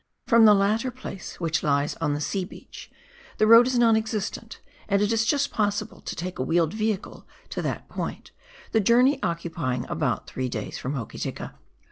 From the latter place, which lies on the sea beach, the road is non existent, and it is just possible to take a wheeled vehicle to that point, the journey occupying about three days from Hoki tika.